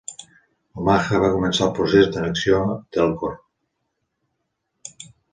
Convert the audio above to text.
Omaha va començar el procés d'annexió d'Elkhorn.